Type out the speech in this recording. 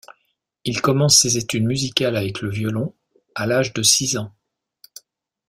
Il commence ses études musicales avec le violon, à l’âge de six ans.